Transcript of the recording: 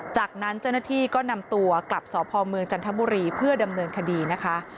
จากนั้นเจ้าหน้าที่ก็นำตัวกลับสพเมืองจันทบุรีเพื่อดำเนินคดีนะคะ